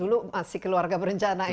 dulu masih keluarga berencana ini